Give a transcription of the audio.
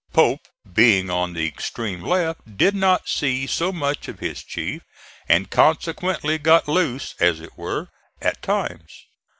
Pope being on the extreme left did not see so much of his chief, and consequently got loose as it were at times.